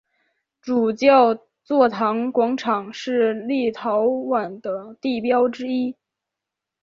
主教座堂广场是立陶宛的地标之一。